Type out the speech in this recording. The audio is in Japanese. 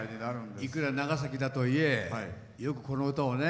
いくら長崎だといえよくこの歌をね。